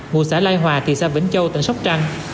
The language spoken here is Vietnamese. ngụ xã lai hòa thị xã vĩnh châu tỉnh sóc trăng